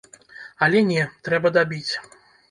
Але не, трэба дабіць!